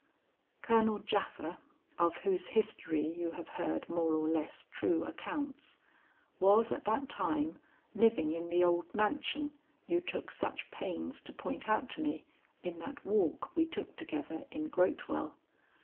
"Colonel Japha, of whose history you have heard more or less true accounts, was at that time living in the old mansion you took such pains to point out to me in that walk we took together in Grotewell.